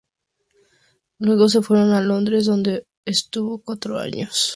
Luego se fueron a Londres, donde estuvo cuatro años.